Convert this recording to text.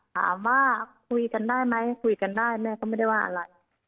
ถามว่าคุยกันได้ไหมคุยกันได้แม่ก็ไม่ได้ว่าอะไร